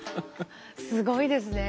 すごいですね。